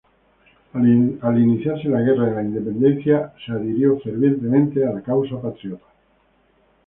Al iniciarse la guerra de la independencia adhirió fervientemente a la causa patriota.